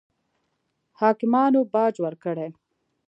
حاکمانو باج ورکړي.